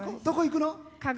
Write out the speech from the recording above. どこ行くの？